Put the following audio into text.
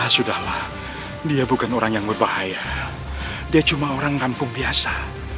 sudahlah dia bukan orang yang berbahaya dia cuma orang kampung biasa